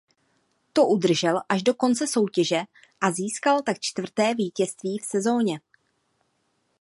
To udržel až do konce soutěže a získal tak čtvrté vítězství v sezoně.